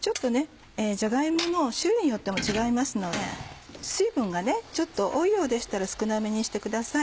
じゃが芋の種類によっても違いますので水分がちょっと多いようでしたら少なめにしてください。